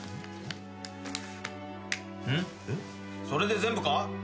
それで全部か？